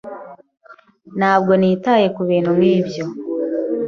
Ntabwo nitaye kubintu nkibyo.